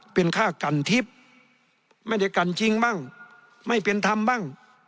เป็นค่ากันทิพย์ไม่ได้กันจริงบ้างไม่เป็นธรรมบ้าง